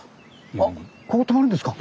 あっここ泊まるんですか？